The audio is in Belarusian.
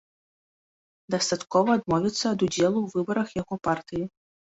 Дастаткова адмовіцца ад удзелу ў выбарах яго партыі.